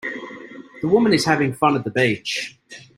The women is having fun at the beach.